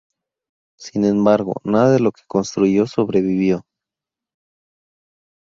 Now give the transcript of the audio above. Sin embargo, nada de lo que construyó sobrevivió.